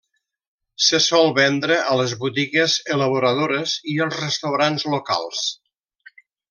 Se sol vendre a les botigues elaboradores i als restaurants locals.